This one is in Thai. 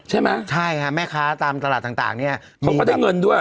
ใช่ไหมใช่ค่ะแม่ค้าตามตลาดต่างเนี่ยเขาก็ได้เงินด้วย